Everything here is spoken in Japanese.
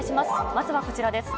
まずはこちらです。